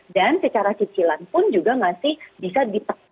dan secara cicilan pun juga masih bisa diperbaiki